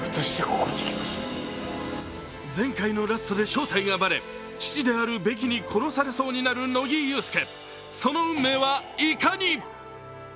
前回のラストで招待がばれ、父であるベキに殺されそうになる、乃木憂助、その運命はいかに！